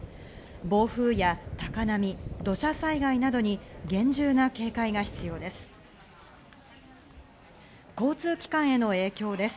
暴風や高波、土砂災害などに厳重な警戒が必要です。